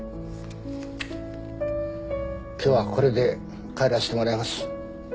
今日はこれで帰らしてもらいます。